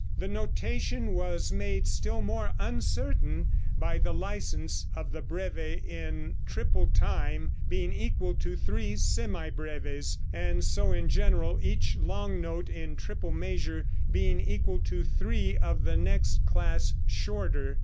The notation was made still more uncertain by the license of the breve in triple time being equal to three semibreves, and so in general each long note in triple measure being equal to three of the next class shorter.